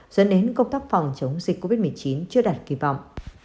dẫn đến công tác phòng chống dịch covid một mươi chín chưa đặt kỳ vọng